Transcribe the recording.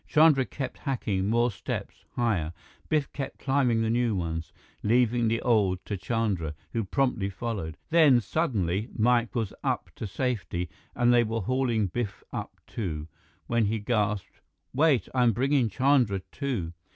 Chandra kept hacking, more steps, higher; Biff kept climbing the new ones, leaving the old to Chandra, who promptly followed. Then suddenly, Mike was up to safety and they were hauling Biff up, too, when he gasped: "Wait! I'm bringing Chandra, too!"